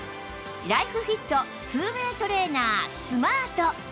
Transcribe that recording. ライフフィット ２ＷＡＹ トレーナースマート